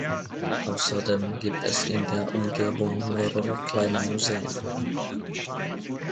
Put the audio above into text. Außerdem gibt es in der Umgebung mehrere kleine Museen.